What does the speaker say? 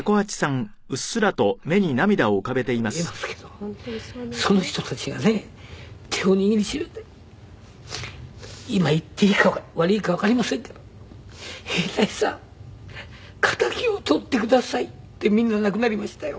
だから私は今だから言えますけどその人たちがね手を握りしめて「今言っていいか悪いかわかりませんけど兵隊さん敵を取ってください」ってみんな亡くなりましたよ。